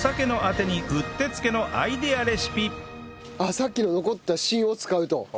さっきの残った芯を使うと。